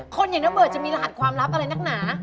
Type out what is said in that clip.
คนอย่างระเบิดจะมีรหัสความลับอะไรนักหนา